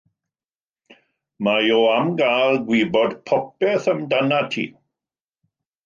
Mae o am gael gwybod popeth amdanat ti.